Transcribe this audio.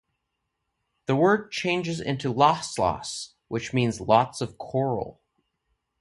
The word changes into "lahs-lahs", which means "lots of coral".